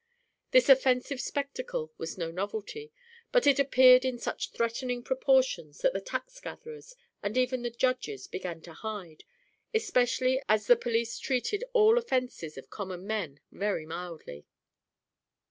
This offensive spectacle was no novelty, but it appeared in such threatening proportions that the tax gatherers, and even the judges began to hide, especially as the police treated all offences of common men very mildly.